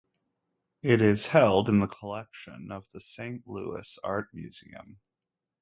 It is held in the collection of the Saint Louis Art Museum.